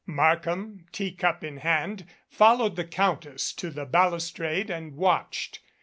Markham, teacup in hand, followed the Countess to the balustrade and watched.